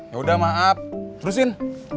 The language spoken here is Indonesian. yaudah maaf terusin